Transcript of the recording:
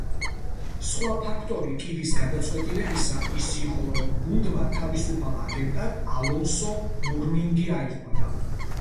სხვა ფაქტორი კიდის გადაწყვეტილებისა ის იყო, რომ გუნდმა თავისუფალ აგენტად ალონსო მურნინგი აიყვანა.